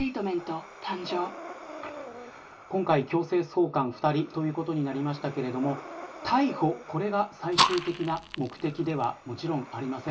今回、強制送還２人ということになりましたけど逮捕、これが最終的な目的ではもちろんありません。